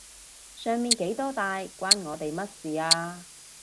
上面幾多大關我哋乜事啊？